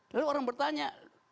lalu orang bertanya